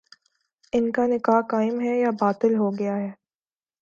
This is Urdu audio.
ان کا نکاح قائم ہے یا باطل ہو گیا ہے